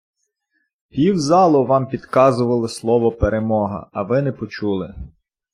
Пів залу Вам підказували слово "перемога", а Ви не почули.